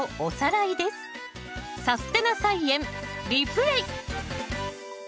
「さすてな菜園リプレイ」！